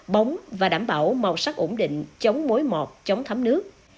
bóng và đảm bảo màu sắc ổn định chống mối mọt chống thấm nước